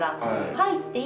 はい。